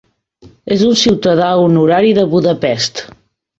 És un ciutadà honorari de Budapest.